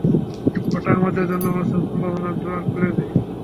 ওটা আমাদের জন্য অসীম সম্ভাবনার দুয়ার খুলে দেয়।